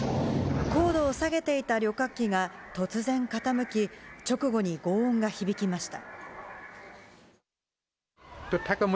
高度を下げていた旅客機が突然傾き、直後にごう音が響きました。